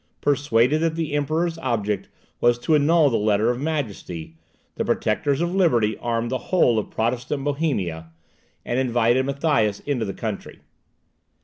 Persuaded that the Emperor's object was to annul the Letter of Majesty, the Protectors of Liberty armed the whole of Protestant Bohemia, and invited Matthias into the country.